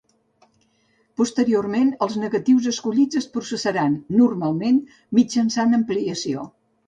Posteriorment els negatius escollits es processaran, normalment, mitjançant ampliació.